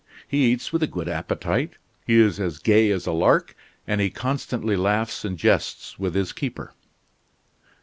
He eats with a good appetite; he is as gay as a lark, and he constantly laughs and jests with his keeper."